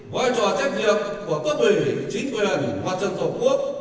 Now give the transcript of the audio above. vai trò trách nhiệm của cơ bỉ chính quyền mặt trận tổ quốc